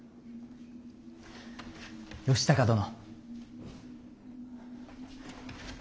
義高殿。